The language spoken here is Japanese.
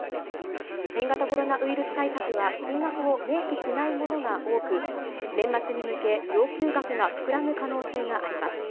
新型コロナウイルス対策は金額を明記しないものが多く、年末に向け、要求額が膨らむ可能性があります。